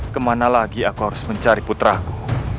kemana lagi aku harus mencari putraku